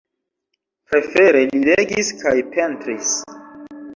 Prefere li legis kaj pentris.